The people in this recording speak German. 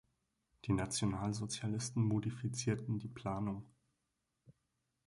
Die Nationalsozialisten modifizierten die Planung.